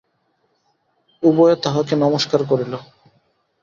উভয়ে তাঁহাকে নমস্কার করিল।